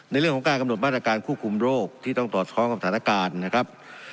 ในเรื่องของการกำหนดบ้านาการคู่คุมโลกที่ต้องตอบสะคร้องกับฐานการณ์นะครับ